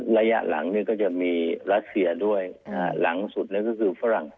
ระยะหลังก็จะมีรัสเซียด้วยหลังสุดแล้วก็คือฝรั่ง